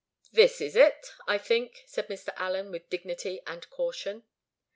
"This is it, I think," said Mr. Allen, with dignity and caution.